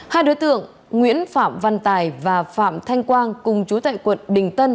hai đối tượng nguyễn phạm văn tài và phạm thanh quang cùng chú tại quận đình tân